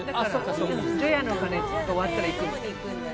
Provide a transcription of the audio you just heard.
除夜の鐘が終わったら行くと。